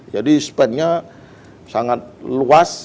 jadi span nya sangat luas